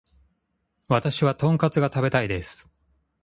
私はトンカツが食べたいです